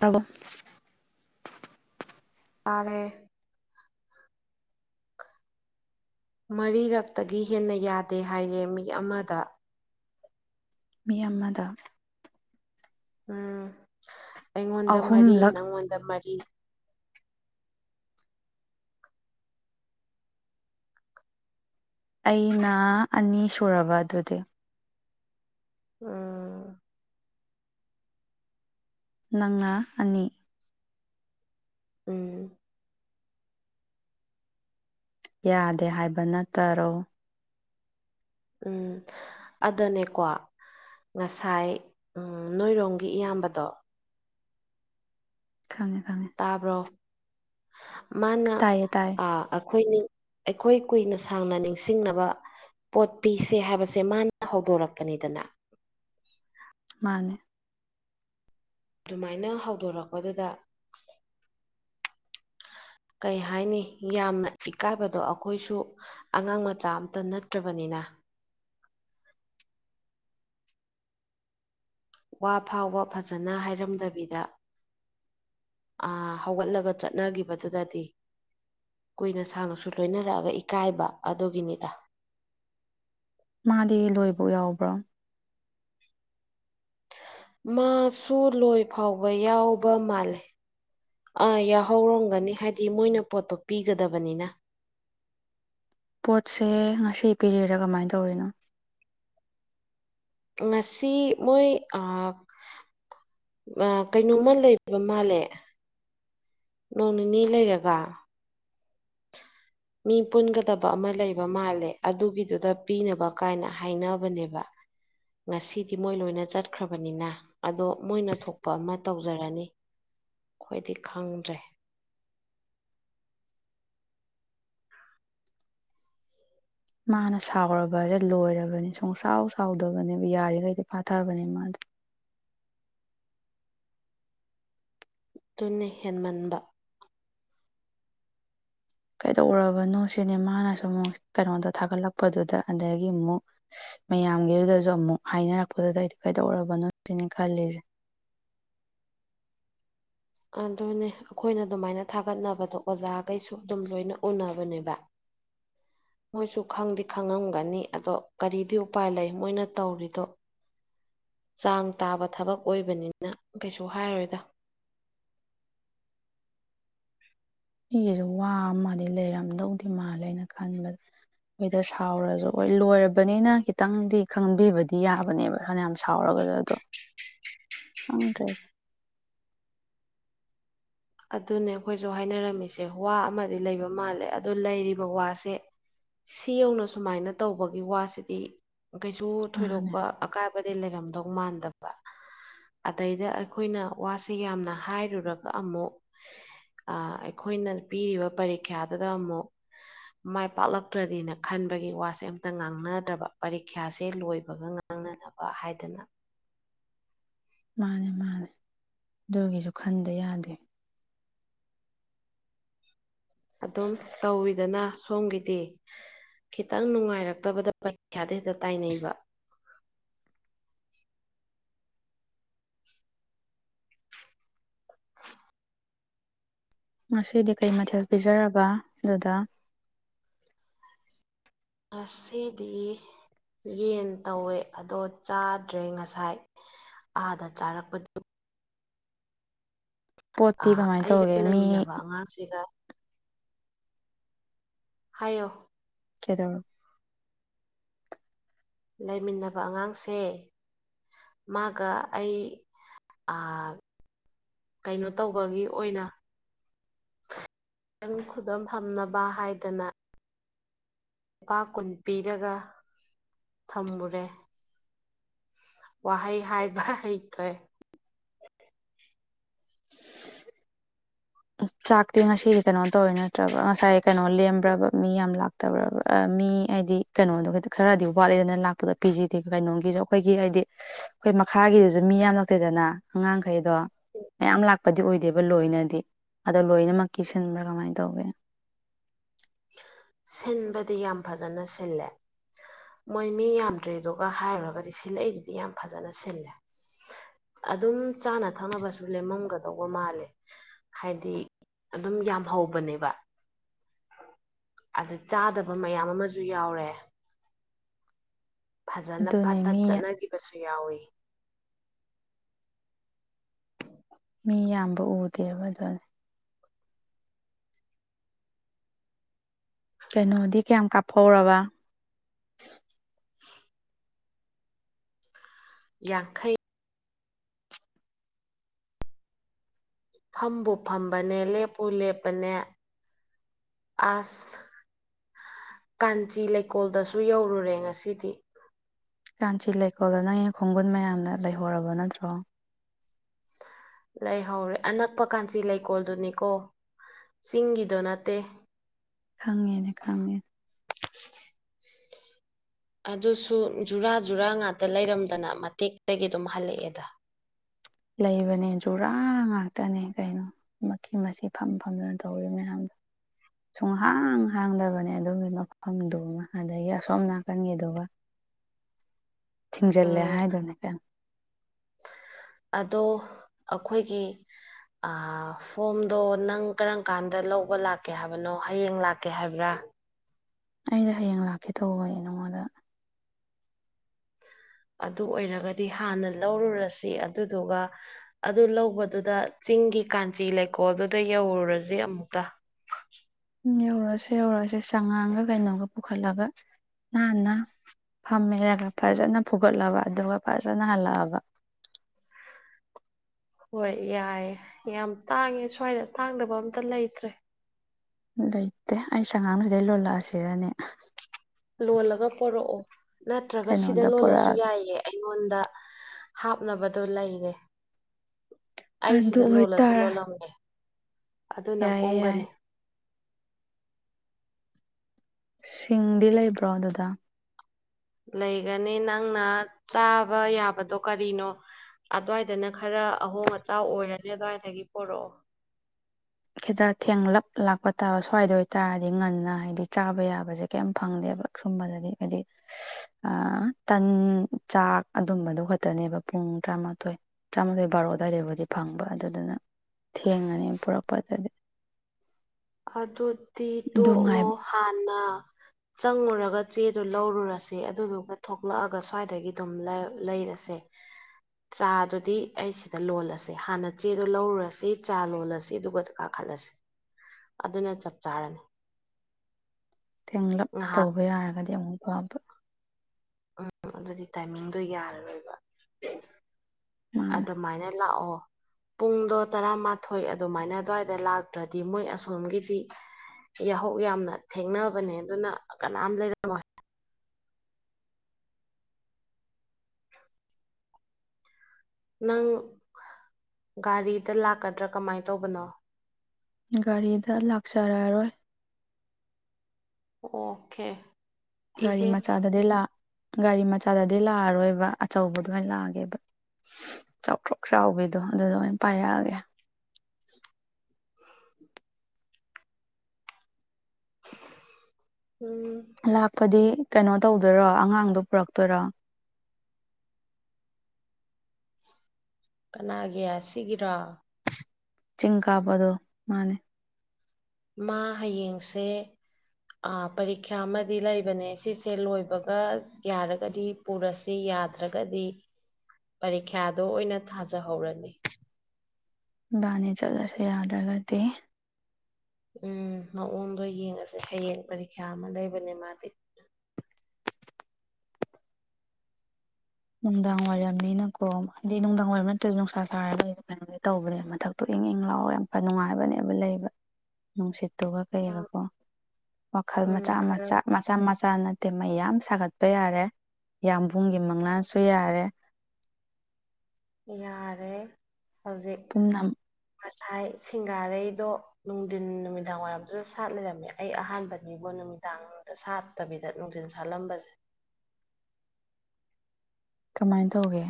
ꯇꯕꯣ [unintelligible] ꯇꯥꯔꯦ ꯃꯔꯤꯔꯛꯇꯒꯤ ꯍꯦꯟꯅ ꯌꯥꯗꯦ ꯍꯥꯏꯌꯦ ꯃꯤ ꯑꯃꯗ ꯃꯤ ꯑꯃꯗ ꯎꯝ ꯑꯩꯉꯣꯟꯗ ꯃꯔꯤ ꯑꯍꯨꯝꯂꯛ ꯅꯪꯉꯣꯟꯗ ꯃꯔꯤ ꯑꯩꯅ ꯑꯅꯤ ꯁꯨꯔꯕ ꯑꯗꯨꯗꯤ ꯑꯥ ꯅꯪꯅ ꯑꯅꯤ ꯎꯝ ꯌꯥꯗꯦ ꯍꯥꯏꯕ ꯅꯠꯇꯔꯣ ꯎꯝ ꯑꯗꯨꯅꯦꯀꯣ ꯉꯁꯥꯏ ꯅꯣꯏꯔꯣꯝꯒꯤ ꯏꯌꯥꯝꯕꯗꯣ ꯈꯪꯉꯦ ꯈꯪꯉꯦ ꯇꯥꯕ꯭ꯔꯣ ꯃꯥꯅ ꯇꯥꯏꯌꯦ ꯇꯥꯏꯌꯦ ꯑ ꯑꯩꯈꯣꯏ ꯑꯩꯈꯣꯏ ꯀꯨꯏꯅ ꯁꯥꯡꯅ ꯅꯤꯡꯁꯤꯡꯅꯕ ꯄꯣꯠ ꯄꯤꯁꯦ ꯍꯥꯏꯕꯁꯦ ꯃꯥꯅ ꯍꯧꯗꯣꯔꯛꯄꯅꯤꯗꯅ ꯃꯥꯅꯦ ꯑꯗꯨꯃꯥꯏꯅ ꯍꯧꯗꯣꯔꯛꯄꯗꯨꯗ ꯀꯩ ꯍꯥꯏꯅꯤ ꯌꯥꯝꯅ ꯏꯀꯥꯏꯕꯗꯣ ꯑꯩꯈꯣꯏꯁꯨ ꯑꯉꯥꯡ ꯃꯆꯥ ꯑꯝꯇ ꯅꯠꯇ꯭ꯔꯕꯅꯤꯅ ꯅ ꯋꯥ ꯐꯥꯎꯕ ꯐꯖꯅ ꯍꯥꯏꯔꯝꯗꯕꯤꯗ ꯑ ꯍꯧꯒꯠꯂꯒ ꯆꯠꯅꯒꯤꯕꯗꯨꯗꯗꯤ ꯀꯨꯏꯅ ꯁꯥꯡꯅꯁꯨ ꯂꯣꯏꯅꯔꯛꯑꯒ ꯏꯀꯥꯏꯕ ꯑꯗꯨꯒꯤꯅꯤꯗ ꯃꯥꯗꯤ ꯂꯣꯏꯕ ꯌꯥꯎꯕ꯭ꯔꯥ ꯃꯥꯁꯨ ꯂꯣꯏ ꯐꯥꯎꯕ ꯌꯥꯎꯕ ꯃꯥꯜꯂꯦ ꯑꯥ ꯌꯥꯍꯧꯔꯝꯒꯅꯤ ꯍꯥꯏꯗꯤ ꯃꯣꯏꯅ ꯄꯣꯠꯇꯣ ꯄꯤꯒꯗꯕꯅꯤꯅ ꯄꯣꯠꯁꯦ ꯉꯁꯤ ꯄꯤꯔꯤꯔꯥ ꯀꯃꯥꯏꯅ ꯇꯧꯔꯤꯅꯣ ꯉꯁꯤ ꯃꯣꯏ ꯑ ꯀꯩꯅꯣꯝꯃ ꯂꯩꯕ ꯃꯥꯜꯂꯦ ꯅꯣꯡ ꯅꯤꯅꯤ ꯂꯩꯔꯒ ꯃꯤ ꯄꯨꯟꯒꯗꯕ ꯑꯃ ꯂꯩꯕ ꯃꯥꯜꯂꯦ ꯑꯗꯨꯒꯤꯗꯨꯗ ꯄꯤꯅꯕ ꯀꯥꯏꯅ ꯍꯥꯏꯅꯕꯅꯦꯕ ꯉꯁꯤꯗꯤ ꯃꯣꯏ ꯂꯣꯏꯅ ꯆꯠꯈ꯭ꯔꯕꯅꯤꯅ ꯑꯗꯣ ꯃꯣꯏꯅ ꯊꯣꯛꯄ ꯑꯃ ꯇꯧꯖꯔꯅꯤ ꯑꯩꯈꯣꯏꯗꯤ ꯈꯪꯗ꯭ꯔꯦ [unintelligible] ꯃꯥꯅ ꯁꯥꯎꯔꯕꯗ ꯂꯣꯏꯔꯕꯅꯤ ꯁꯨꯡꯁꯥꯎ ꯁꯥꯎꯗꯕꯅꯦꯕ ꯌꯥꯔꯤꯈꯩꯗꯤ ꯄꯥꯊꯕꯅꯦ ꯃꯥꯗꯣ [unintelligible] ꯇꯨꯅ ꯍꯦꯟꯃꯟꯕ ꯀꯩꯗꯧꯔꯕꯅꯣ ꯁꯤꯅꯤ ꯃꯥꯅ ꯁ ꯑꯃꯨꯛ ꯀꯩꯅꯣꯗꯣ ꯊꯥꯒꯠꯂꯛꯄꯗꯨꯗ ꯑꯗꯒꯤ ꯑꯃꯨꯛ ꯃꯌꯥꯝꯒꯤꯗꯨꯗꯁꯨ ꯑꯃꯨꯛ ꯍꯥꯏꯅꯔꯛꯄꯗꯨꯗ ꯑꯩꯗꯣ ꯀꯩꯗꯧꯎꯔꯕꯅꯣ ꯁꯤꯅ ꯈꯜꯂꯤꯁꯦ ꯑꯗꯨꯅꯦ ꯑꯩꯈꯣꯏꯅ ꯑꯗꯨꯃꯥꯏꯅ ꯊꯥꯒꯠꯅꯕꯗꯣ ꯑꯣꯖꯥꯈꯩꯁꯨ ꯑꯗꯨꯝ ꯂꯣꯏꯅ ꯎꯅꯕꯅꯦꯕ [unintelligible] ꯃꯣꯏꯁꯨ ꯈꯪꯗꯤ ꯈꯪꯉꯝꯒꯅꯤ ꯑꯗꯣ ꯀꯔꯤꯗꯤ ꯎꯄꯥꯏ ꯂꯩ ꯃꯣꯏꯅ ꯇꯧꯔꯤꯗꯣ ꯆꯥꯡ ꯇꯥꯕ ꯊꯕꯛ ꯑꯣꯏꯕꯅꯤꯅ ꯀꯩꯁꯨ ꯍꯥꯏꯔꯣꯏꯗ ꯑꯩꯒꯤꯁꯨ ꯋꯥ ꯑꯃꯗꯤ ꯂꯩꯔꯝꯗꯧꯗꯤ ꯃꯥꯜꯂꯦꯅ ꯈꯟꯕꯗ ꯃꯈꯣꯏꯗ ꯁꯥꯎꯔꯁꯨ ꯍꯣꯏ ꯂꯣꯏꯔꯕꯅꯤꯅ ꯈꯤꯇꯪꯗꯤ ꯈꯪꯕꯤꯕꯗꯤ ꯌꯥꯕꯅꯦꯕ ꯐꯅꯌꯥꯝ ꯁꯥꯎꯔꯒ [unintelligible] ꯑꯗꯨꯅꯦ ꯑꯩꯈꯣꯏꯁꯨ ꯍꯥꯏꯅꯔꯝꯃꯤꯁꯦ ꯋꯥ ꯑꯃꯗꯤ ꯂꯩꯕ ꯃꯥꯜꯂꯦ ꯑꯗꯨ ꯂꯩꯔꯤꯕ ꯋꯥꯁꯦ ꯁꯤ ꯌꯧꯅ ꯁꯨꯃꯥꯏꯅ ꯇꯧꯕꯒꯤ ꯋꯥꯁꯤꯗꯤ ꯀꯩꯁꯨ ꯃꯥꯅꯦ ꯊꯣꯏꯗꯣꯛꯄ ꯑꯀꯥꯏꯕꯗꯤ ꯂꯩꯔꯝꯗꯧ ꯃꯥꯟꯗꯕ ꯑꯗꯩꯗ ꯑꯩꯈꯣꯏꯅ ꯋꯥꯁꯤ ꯌꯥꯝꯅ ꯍꯥꯏꯔꯨꯔꯒ ꯑꯃꯨꯛ ꯑꯩꯈꯣꯏꯅ ꯄꯤꯔꯤꯕ ꯄꯔꯤꯈ꯭ꯌꯥꯗꯨꯗ ꯑꯃꯨꯛ ꯃꯥꯏ ꯄꯥꯛꯂꯛꯇ꯭ꯔꯗꯤꯅ ꯈꯟꯕꯒꯤ ꯋꯥꯁꯦ ꯑꯝꯇ ꯉꯥꯡꯅꯗ꯭ꯔꯕ ꯄꯔꯤꯈ꯭ꯌꯥꯁꯦ ꯂꯣꯏꯕꯒ ꯈꯪꯅꯅꯕ ꯍꯥꯏꯗꯅ ꯃꯥꯅꯦ ꯃꯥꯅꯦ ꯑꯗꯨꯒꯤꯁꯨ ꯈꯟꯗ ꯌꯥꯗꯦ ꯑꯗꯨꯝ ꯇꯧꯋꯤꯗꯅ ꯁꯣꯝꯒꯤꯗꯤ ꯈꯤꯇꯪ ꯅꯨꯡꯉꯥꯏꯔꯛꯇꯕꯗ ꯄꯔꯤꯈ꯭ꯌꯥꯗ ꯍꯦꯛꯇ ꯇꯥꯏꯅꯩꯕ [unintelligible] ꯉꯁꯤꯗꯤ ꯀꯩ ꯃꯊꯦꯜ ꯄꯤꯖꯔꯕ ꯑꯗꯨꯗ ꯑꯁꯦꯗꯤ ꯌꯦꯟ ꯇꯧꯋꯦ ꯑꯗꯣ ꯆꯥꯗ꯭ꯔꯦ ꯉꯁꯥꯏ ꯑꯥꯗ ꯆꯥꯔꯛꯄꯗꯨ ꯑ ꯄꯣꯠꯇꯤ ꯀꯃꯥꯏꯅ ꯑꯩꯒ ꯇꯧꯒꯦ ꯃꯤ ꯂꯩꯃꯤꯟꯅꯕ ꯑꯉꯥꯡꯁꯤꯒ ꯍꯥꯏꯌꯣ ꯀꯦꯗꯧꯔꯣ ꯂꯩꯃꯤꯟꯅꯕ ꯑꯉꯥꯡꯁꯦ ꯃꯥꯒ ꯑꯩ ꯑ ꯀꯩꯅꯣ ꯇꯧꯕꯒꯤ ꯑꯣꯏꯅ ꯈꯤꯪ ꯈꯨꯗꯝꯝ ꯐꯝꯅꯕ ꯍꯥꯏꯗꯅ ꯂꯨꯄꯥ ꯀꯨꯟ ꯄꯤꯔꯒ ꯊꯝꯃꯨꯔꯦ ꯋꯥ ꯍꯩ ꯍꯥꯏꯕ ꯍꯈꯦ ꯁꯨ [inaudible] ꯆꯥꯛꯇꯤ ꯉꯁꯤꯗꯤ ꯀꯩꯅꯣ ꯇꯧꯋꯤ ꯅꯠꯇ꯭ꯔꯕ ꯉꯁꯥꯏ ꯀꯩꯅꯣ ꯂꯦꯝꯕ꯭ꯔꯕ ꯃꯤ ꯌꯥꯝ ꯂꯥꯛꯇꯕ꯭ꯔꯕ ꯃꯤ ꯍꯥꯏꯗꯤ ꯀꯩꯅꯣꯗꯣ ꯈꯔꯗꯤ ꯋꯥꯠꯂꯦꯗꯅ ꯂꯥꯛꯄꯗ ꯄꯤꯁꯤꯗꯦ ꯀꯩꯅꯣꯒꯤꯁꯨ ꯑꯩꯈꯣꯏꯒꯤ ꯍꯥꯏꯗꯤ ꯑꯩꯣꯏ ꯃꯈꯥꯒꯤꯗꯨꯁꯨ ꯃꯤ ꯌꯥꯝ ꯅꯛꯇꯦꯗꯅ ꯑꯉꯥꯡꯈꯩꯗꯣ ꯃꯌꯥꯝ ꯂꯥꯛꯄꯗꯤ ꯑꯣꯏꯗꯦꯕ ꯂꯣꯏꯅꯗꯤ ꯑꯗꯣ ꯂꯣꯏꯅꯃꯛꯀꯤꯤ ꯁꯤꯟꯕ꯭ꯔꯥ ꯀꯃꯥꯏ ꯇꯧꯒꯦ ꯁꯤꯟꯕꯗꯤ ꯌꯥꯝ ꯐꯖꯅ ꯁꯤꯜꯂꯦ ꯃꯣꯏ ꯃꯤ ꯌꯥꯝꯗ꯭ꯔꯤꯗꯨꯒ ꯍꯥꯏꯔꯨꯔꯒꯗꯤ ꯁꯤꯜꯂꯛꯏꯗꯨꯗꯤ ꯌꯥꯝ ꯐꯖꯅ ꯁꯤꯜꯂꯦ ꯑꯗꯨꯝ ꯆꯥꯅ ꯊꯛꯅꯕꯁꯨ ꯂꯦꯝꯃꯝꯒꯗꯧꯕ ꯃꯥꯜꯂꯦ ꯍꯥꯏꯗꯤ ꯑꯗꯨꯝ ꯌꯥꯝ ꯍꯧꯕꯅꯦꯕ ꯑꯗ ꯆꯥꯗꯕ ꯃꯌꯥꯝ ꯑꯃꯁꯨ ꯌꯥꯎꯔꯦ ꯐꯖꯅ ꯐꯠ ꯑꯗꯨꯅꯦ ꯐꯠ ꯃꯤ ꯆꯠꯅꯈꯤꯕꯁꯨ ꯌꯥꯎꯋꯤ ꯃꯤ ꯌꯥꯝꯕ ꯎꯗꯦꯕ ꯑꯗꯨꯅꯦ ꯀꯩꯅꯣꯗꯤ ꯀꯌꯥꯝ ꯀꯥꯞꯍꯧꯔꯕ ꯂꯨꯁ [inaudible] ꯌꯥꯡꯈꯩ ꯐꯕꯨ ꯐꯝꯕꯅꯦ ꯂꯦꯞꯄꯨ ꯂꯦꯞꯄꯅꯦ ꯑꯁ ꯀꯥꯟꯆꯤ ꯂꯩꯀꯣꯜꯗꯁꯨ ꯌꯧꯔꯨꯔꯦ ꯉꯁꯤꯗꯤ ꯀꯥꯟꯆꯤ ꯂꯩꯀꯣꯜꯂꯣ ꯅꯪꯌꯦ ꯈꯣꯡꯒꯨꯟ ꯃꯌꯥꯝꯅ ꯂꯩꯍꯧꯔꯕ ꯅꯠꯇ꯭ꯔꯣ ꯂꯩꯍꯧꯔꯦ ꯑꯅꯛꯄ ꯀꯥꯟꯆꯤ ꯂꯩꯀꯣꯜꯗꯨꯅꯤꯀꯣ ꯆꯤꯡꯒꯤꯗꯣ ꯅꯠꯇꯦ ꯈꯪꯉꯦꯅꯦ ꯈꯪꯉꯦ ꯑꯗꯨꯁꯨ ꯖꯨꯔꯥ ꯖꯨꯔꯥ ꯉꯥꯛꯇ ꯂꯩꯔꯝꯗꯅ ꯃꯇꯦꯛꯇꯒꯤ ꯑꯗꯨꯝ ꯍꯜꯂꯛꯑꯦꯗ ꯂꯩꯕꯅꯦ ꯖꯨꯔꯥ ꯉꯥꯛꯇꯅꯦ ꯀꯩꯅꯣ ꯃꯤ ꯃꯤ ꯐꯝ ꯐꯝꯗꯅ ꯇꯧꯋ ꯃꯌꯥꯝꯗꯣ ꯁꯨꯡꯍꯥꯡ ꯍꯥꯡꯗꯕꯅꯦ ꯑꯗꯨꯒꯤ ꯃꯐꯝꯗꯨ ꯑꯗꯒꯤ ꯑꯁꯣꯝ ꯅꯥꯀꯟꯒꯤꯗꯨ ꯊꯤꯡꯖꯤꯜꯂꯦ ꯎꯝ ꯍꯥꯏꯗꯅꯦ ꯀꯩꯅ ꯑꯗꯣ ꯑꯩꯈꯣꯏꯒꯤ ꯐꯣꯝꯗꯣ ꯅꯪ ꯀꯔꯝ ꯀꯥꯟꯗ ꯂꯧꯕ ꯂꯥꯛꯀꯦ ꯍꯥꯏꯕꯅꯣ ꯍꯌꯦꯡ ꯂꯥꯛꯀꯦ ꯍꯥꯏꯕ꯭ꯔꯥ ꯑꯩꯁ ꯍꯌꯦꯡ ꯂꯥꯛꯀꯦ ꯇꯧꯕ ꯅꯉꯣꯟꯗ ꯑꯗꯨ ꯑꯣꯏꯔꯒꯗꯤ ꯍꯥꯟꯅ ꯂꯧꯔꯨꯔꯁꯤ ꯑꯗꯨꯗꯨꯒ ꯑꯗꯨ ꯂꯧꯕꯗꯨꯗ ꯆꯤꯡꯒꯤ ꯀꯥꯟꯆꯤ ꯂꯩꯀꯣꯜꯗꯨꯗ ꯌꯧꯔꯨꯔꯁꯤ ꯑꯃꯨꯛꯇ ꯠ [inaudible] ꯌꯧꯔꯛꯑꯁ ꯌꯧꯔꯛꯑꯁꯦ ꯆꯉꯥꯡꯒ ꯀꯩꯅꯣꯒ ꯄꯨꯈꯠꯂꯒ ꯍꯥꯟꯟꯅ ꯐꯝꯃꯦꯔꯒ ꯐꯖꯅ ꯐꯨꯒꯠꯂꯕ ꯑꯗꯨꯒ ꯐꯖꯅ ꯍꯜꯂꯛꯑꯕ ꯍꯣꯏ ꯌꯥꯏꯦ ꯌꯥꯝ ꯇꯥꯡꯉꯦ ꯁ꯭ꯋꯥꯏꯗ ꯇꯥꯡꯗꯕ ꯑꯝꯇ ꯂꯩꯇ꯭ꯔꯦ ꯂꯩꯇꯦ ꯑꯩ ꯁꯉꯥꯡꯗꯨꯗꯩ ꯂꯣꯜꯂꯛꯑꯁꯤꯔꯅꯦ ꯂꯣꯜꯂꯒ ꯄꯣꯔꯛꯑꯣ ꯅꯠꯇ꯭ꯔꯒ ꯁꯤꯗ ꯀꯩꯅꯣꯝꯗ ꯂꯣꯜꯂꯁꯨ ꯄꯨꯔꯛꯑꯒꯦ ꯌꯥꯏꯑ ꯑꯩ ꯑꯩꯉꯣꯟꯗ ꯍꯥꯞꯅꯕꯗꯣ ꯂꯩꯔꯦ ꯑꯩ ꯑꯗꯨ ꯁꯤꯗ ꯂꯣꯜꯂꯁꯨ ꯑꯣꯏꯇꯥꯔꯦ ꯂꯣꯜꯂꯝꯃꯦ ꯑꯗꯨꯅ ꯌꯥꯏꯌꯦ ꯌꯥꯏ ꯀꯣꯝꯒꯅꯤ ꯁꯤꯡꯗꯤ ꯂꯩꯕ꯭ꯔꯣ ꯑꯗꯨꯗꯥ ꯂꯩꯒꯅꯤ ꯅꯪꯅ ꯆꯥꯕ ꯌꯥꯕꯗꯣ ꯀꯔꯤꯅꯣ ꯑꯗꯨꯋꯥꯏꯗꯅ ꯈꯔ ꯑꯍꯣꯡ ꯑꯆꯥꯎ ꯑꯣꯏꯔꯅꯤ ꯑꯗꯨꯋꯥꯏꯗꯒꯤ ꯄꯔꯛꯑꯣ ꯈꯤꯇ꯭ꯔ ꯊꯦꯡꯡꯂꯞ ꯂꯥꯛꯄ ꯇꯥꯕ ꯁ꯭ꯋꯥꯏꯗ ꯑꯣꯏꯇꯥꯔꯗꯤ ꯉꯟꯅ ꯍꯥꯏꯕꯗꯤ ꯆꯥꯕ ꯌꯥꯕꯁꯦ ꯀꯩꯝ ꯐꯪꯗꯦ ꯁꯨꯝꯕꯗꯗꯤ ꯍꯥꯏꯗꯤ ꯇꯟ ꯆꯥꯛ ꯑꯗꯨꯝꯕꯗꯨ ꯈꯣꯠꯇꯅꯦꯕ ꯄꯨꯡ ꯇꯔꯥꯃꯥꯊꯣꯏ ꯇꯔꯥꯃꯥꯊꯣꯏ ꯕꯥꯔꯣ ꯑꯗꯨꯋꯥꯏꯗꯕꯨꯗꯤ ꯐꯪꯕ ꯑꯗꯨꯗꯨꯅ ꯊꯦꯡꯉꯅꯤ ꯄꯨꯔꯛꯄꯗꯗꯤ ꯑꯗꯨꯗꯤ ꯑꯗꯨ ꯉꯥꯏ ꯇꯣꯛꯂꯣ ꯍꯥꯟꯅ [inaudible] ꯆꯪꯉꯨꯔꯒ ꯆꯦꯗꯨ ꯂꯧꯔꯨꯔꯁꯦ ꯑꯗꯨꯗꯨꯒ ꯊꯣꯛꯂꯛꯑꯒ ꯁ꯭ꯋꯥꯏꯗꯒꯤ ꯑꯗꯨꯝ ꯂꯩꯔꯁꯦ ꯆꯥꯗꯨꯗꯤ ꯑꯩ ꯁꯤꯗ ꯂꯣꯜꯂꯁꯤ ꯍꯥꯟꯅ ꯆꯦꯗ ꯂꯧꯔꯨꯔꯁꯤ ꯆꯥ ꯂꯣꯜꯂꯁꯤ ꯑꯗꯨꯒ ꯆꯠꯂꯁꯦ [inaudible] ꯑꯗꯨꯅ ꯆꯞ ꯆꯥꯔꯅꯤ ꯊꯦꯡꯂꯞ ꯉꯥꯏꯍꯥꯛ ꯇꯧꯕ ꯌꯥꯔꯒꯗꯤ ꯑꯃꯨꯛ ꯋꯥꯕ ꯎꯝ ꯑꯗꯨꯗꯤ ꯇꯥꯏꯃꯤꯡꯗꯣ ꯌꯥꯔꯔꯣꯏꯕ ꯃꯥꯅꯦ ꯑꯗꯨꯃꯥꯏꯅ ꯂꯥꯛꯑꯣ ꯄꯨꯡꯗꯣ ꯇꯔꯥꯃꯥꯊꯣꯏ ꯑꯗꯨꯃꯥꯏꯅ ꯑꯗꯨꯋꯥꯏꯗ ꯂꯥꯛꯇ꯭ꯔꯗꯤ ꯃꯣꯏ ꯑꯁꯣꯝꯒꯤꯗꯤ ꯌꯥꯍꯧ ꯌꯥꯝꯅ ꯊꯦꯡꯅꯕꯅꯦ ꯑꯗꯨꯅ ꯀꯅꯥꯝ ꯂꯩꯔꯝꯃꯣ ꯅꯪ ꯒꯥꯔꯤꯗ ꯂꯥꯛꯀꯗ꯭ꯔꯥ ꯀꯃꯥꯏꯅ ꯇꯧꯕꯅꯣ ꯒꯥꯔꯤꯗ ꯂꯥꯛꯆꯔꯔꯣꯏ ꯑꯣꯀꯦ ꯒꯥꯔꯤ ꯏꯍꯦ ꯃꯆꯥꯗꯗꯤ ꯒꯥꯔꯤ ꯃꯆꯥꯗꯗꯤ ꯂꯥꯛꯑꯔꯣꯏꯕ ꯑꯆꯧꯕꯗ ꯑꯣꯏꯅ ꯂꯥꯛꯑꯒꯦꯕ ꯆꯥꯎꯊ꯭ꯔꯣꯛ ꯆꯥꯎꯕꯤꯗꯣ ꯑꯗꯨꯗ ꯑꯣꯏꯅ ꯄꯥꯏꯔꯛꯑꯒꯦ [inaudible] ꯎꯝ ꯂꯥꯛꯄꯗꯤ ꯀꯩꯅꯣ ꯇꯧꯗꯣꯏꯔꯣ ꯑꯉꯥꯡꯗꯣ ꯄꯨꯔꯛꯇꯣꯏꯔꯥ ꯀꯅꯥꯒꯤ ꯁꯤꯒꯤꯔꯣ ꯆꯤꯡꯀꯥꯄꯗꯣ ꯃꯥꯅꯦ ꯃꯥ ꯍꯌꯦꯡꯁꯦ ꯑꯥ ꯄꯔꯤꯈ꯭ꯌꯥ ꯑꯃꯗꯤ ꯂꯩꯕꯅꯦ ꯁꯤꯁꯦ ꯂꯣꯏꯕꯒ ꯌꯥꯔꯒꯗꯤ ꯄꯨꯔꯁꯤ ꯌꯥꯗ꯭ꯔꯒꯗꯤ ꯄꯔꯤꯈ꯭ꯌꯥꯗꯣ ꯑꯣꯏꯅ ꯊꯥꯖꯍꯧꯔꯅꯤ ꯏꯕꯥꯅꯤ ꯆꯠꯂꯁꯤ ꯌꯥꯗꯔꯒꯗꯤ ꯎꯝ ꯃꯑꯣꯡꯗꯣ ꯌꯦꯡꯉꯁꯦ ꯍꯌꯦꯡ ꯄꯔꯤꯈ꯭ꯌꯥ ꯑꯃ ꯂꯩꯕꯅꯦ ꯃꯥꯗꯤ [inaudible] ꯅꯨꯡꯗꯥꯡ ꯋꯥꯏꯔꯝꯅꯤꯅꯀꯣ ꯍꯥꯏꯗꯤ ꯅꯨꯡꯗꯥꯡ ꯋꯥꯏꯔꯝ ꯅꯠꯇ꯭ꯔꯁꯨ ꯅꯨꯡꯁꯥ ꯁꯥꯔꯒꯣꯏ ꯀꯥꯏ ꯇꯧꯕꯅꯦꯕ ꯃꯊꯛꯇꯏ ꯏꯪ ꯏꯪꯪꯂꯥꯎ ꯌꯥꯝ ꯐ ꯅꯨꯡꯉꯥꯏꯕꯅꯦꯕ ꯂꯩꯕ ꯅꯨꯡꯁꯤꯠ ꯑꯗꯨꯒ ꯀꯩꯒꯀꯣ ꯋꯥꯈꯜ ꯃꯆꯥ ꯎꯝ ꯈꯔ ꯃꯆꯥ ꯃꯆꯥ ꯃꯆꯥꯅ ꯃꯩ ꯌꯥꯝ ꯁꯥꯒꯠꯄ ꯌꯥꯔꯦ ꯌꯥꯝꯕꯨꯡꯒꯤ ꯃꯪꯂꯥꯜ ꯁꯨꯏꯔꯦ [inaudible] ꯌꯥꯔꯦ ꯍꯧꯖꯤꯛ ꯄꯨꯝꯅ ꯉꯁꯥꯏ ꯁꯤꯡꯒꯥꯔꯩꯗꯣ ꯅꯨꯡꯊꯤꯟ ꯅꯨꯃꯤꯗꯥꯡ ꯋꯥꯏꯔꯝꯗꯨꯗ ꯁꯥꯠ ꯂꯩꯔꯝꯃꯦ ꯑꯩ ꯑꯍꯥꯟꯕꯅꯤꯕꯨ ꯅꯨꯃꯤꯗꯥꯡꯗ ꯁꯥꯠꯇꯕꯤꯗ ꯅꯨꯡꯊꯤꯟ ꯁꯥꯠꯂꯝꯕꯁꯦ [inaudible] ꯀꯃꯥꯏꯅ ꯇꯧꯒꯦ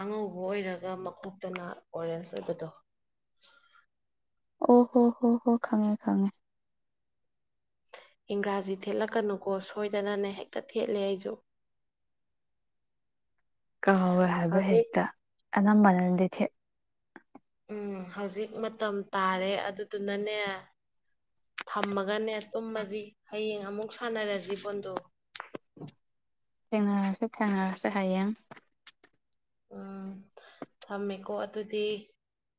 ꯑꯉꯧꯕ ꯑꯣꯏꯔꯒ ꯃꯈꯣꯛꯇꯅ ꯑꯣꯔꯦꯟꯖ ꯑꯣꯏꯕꯗꯣ ꯑꯣ ꯍꯣ ꯍꯣ ꯍꯣ ꯈꯪꯉꯦ ꯈꯪꯉꯦ ꯏꯪꯒ꯭ꯔꯥꯖꯤ ꯊꯦꯠꯂꯛꯀꯅꯨꯀꯣ ꯁꯣꯏꯗꯅꯅꯦ ꯍꯦꯛꯇ ꯊꯦꯠꯂꯦ ꯑꯩꯁꯨ [unintelligible] ꯀꯥꯎꯋꯦ ꯍꯥꯏꯕ ꯍꯧꯖꯤꯛ ꯍꯦꯛꯇ ꯑꯅꯝꯕꯅꯗꯤ ꯊꯦ ꯎꯝ ꯍꯧꯖꯤꯛ ꯃꯇꯝ ꯇꯥꯔꯦ ꯑꯗꯨꯗꯨꯅꯅꯦ ꯊꯝꯃꯒꯅꯦ ꯇꯨꯝꯃꯁꯤ ꯍꯌꯦꯡ ꯑꯃꯨꯛ ꯁꯥꯟꯅꯔ ꯖꯤꯕꯣꯟꯗꯣ ꯊꯦꯡꯅꯔꯁ ꯊꯦꯡꯅꯔꯁ ꯍꯌꯦꯡ ꯎꯝ ꯊꯝꯃꯦꯀꯣ ꯑꯗꯨꯗꯤ